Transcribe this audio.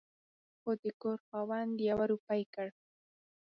خو د کور خاوند يوه روپۍ کړ